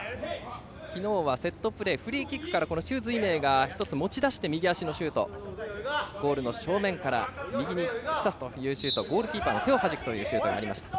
昨日はセットプレーフリーキックから朱瑞銘が持ち出して右足のシュートゴールの正面から右に突き刺してゴールキーパーの手をはじくシュートがありました。